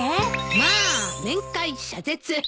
まあ「面会謝説